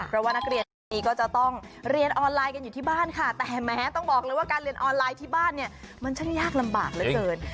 ให้นักเรียนตั้งใจเรียนดูว่าคุณครูท่านเนี่ยเค้ามีวิธีการสอนแบบไหน